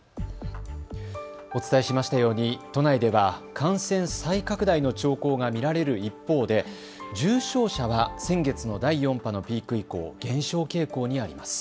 お伝えしましたように都内では感染再拡大の兆候が見られる一方で重症者は先月の第４波のピーク以降、減少傾向にあります。